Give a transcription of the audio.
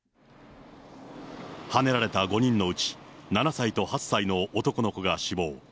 はねられた５人のうち、７歳と８歳の男の子が死亡。